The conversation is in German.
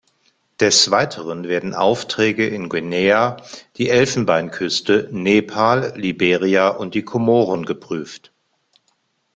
Des Weiteren werden Aufträge in Guinea, die Elfenbeinküste, Nepal, Liberia und die Komoren geprüft.